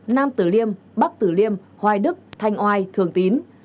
nam tử liêm bắc tử liêm hoài đức thanh oai thường tín